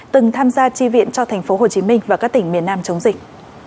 từng tham gia tri viện cho thành phố hồ chí minh và các tỉnh miền nam chống dịch